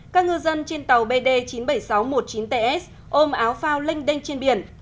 các ngư dân trên tàu bd chín mươi bảy nghìn sáu trăm một mươi chín ts ôm áo phao linhh đênh trên biển